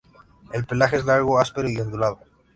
El pelaje es largo, áspero y ondulado.